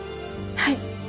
はい。